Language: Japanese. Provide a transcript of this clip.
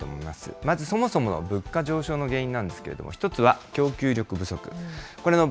まずそもそもの物価上昇の原因なんですけれども、１つは供給力不足。